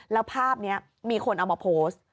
แล้วภาพนี้มีคนเอามาโพสต์